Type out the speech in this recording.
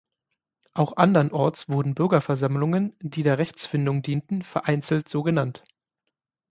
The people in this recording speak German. Auch andernorts wurden Bürgerversammlungen, die der Rechtsfindung dienten, vereinzelt so genannt.